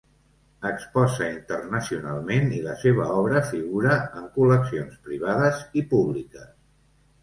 Exposa internacionalment i la seva obra figura en col·leccions privades i públiques.